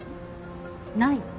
ない？